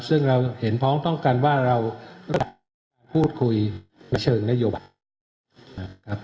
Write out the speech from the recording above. ซึ่งเราเห็นพ้องต้องกันว่าเราพูดคุยในเชิงนโยบายนะครับ